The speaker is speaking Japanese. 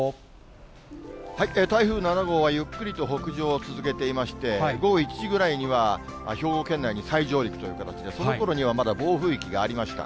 台風７号はゆっくりと北上を続けていまして、午後１時ぐらいには兵庫県内に再上陸という形で、そのころにはまだ暴風域がありました。